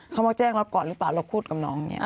เขามาแจ้งเราก่อนหรือเปล่าเราพูดกับน้องเนี่ย